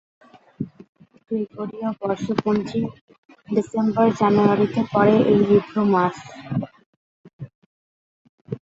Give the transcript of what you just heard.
গ্রেগরীয় বর্ষপঞ্জির ডিসেম্বর-জানুয়ারিতে পড়ে এই হিব্রু মাস।